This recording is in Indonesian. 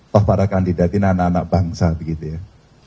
toh para kandidat ini anak anak bangsa begitu ya